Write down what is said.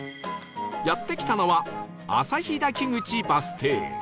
やって来たのは旭滝口バス停